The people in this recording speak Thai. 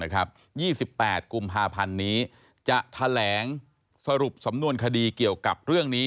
๒๘กุมภาพันธ์นี้จะแถลงสรุปสำนวนคดีเกี่ยวกับเรื่องนี้